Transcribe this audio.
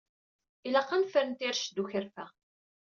Ilaq ad nefren tirect d ukerfa.